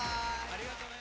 ありがとね。